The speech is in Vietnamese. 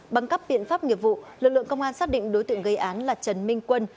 bằng các biện pháp nghiệp vụ lực lượng công an xác định đối tượng gây án là trần minh quân